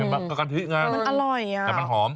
มันอร่อยแต่มันหอม